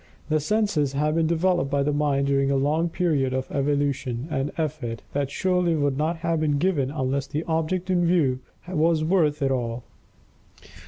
The senses have been developed by the mind during a long period of evolution and effort that surely would not have been given unless the object in view was worth it all.